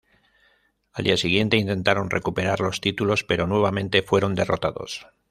Al día siguiente intentaron recuperar los títulos pero nuevamente fueron derrotados.